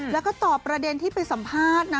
แล้วก็ตอบประเด็นที่ไปสัมภาษณ์นะ